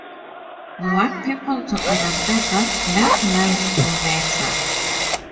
We want people to understand that Black lives do matter.